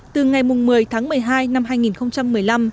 từ ngày một mươi tháng một mươi hai năm hai nghìn một mươi năm